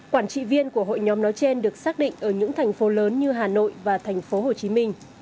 quản trị viên của hội nhóm nói trên được xác định ở những thành phố lớn như hà nội và thành phố hồ chí minh